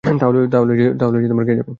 তাহলে কে যাবেন?